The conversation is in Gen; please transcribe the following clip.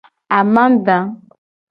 Amada.